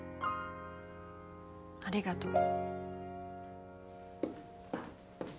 ありがとう。